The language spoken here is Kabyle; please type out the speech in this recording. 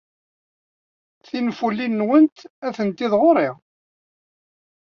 Tinfulin-nwent atenti ɣer-i.